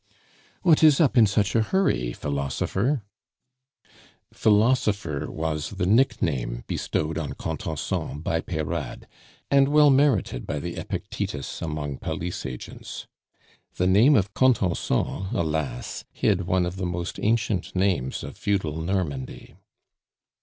"What is up in such a hurry, Philosopher?" Philosopher was the nickname bestowed on Contenson by Peyrade, and well merited by the Epictetus among police agents. The name of Contenson, alas! hid one of the most ancient names of feudal Normandy.